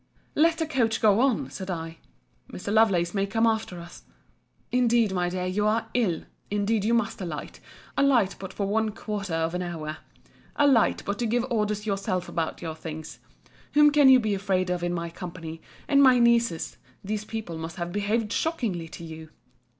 Let the coach go on! said I—Mr. Lovelace may come after us. Indeed, my dear, you are ill!—Indeed you must alight—alight but for one quarter of an hour.—Alight but to give orders yourself about your things. Whom can you be afraid of in my company, and my niece's; these people must have behaved shockingly to you!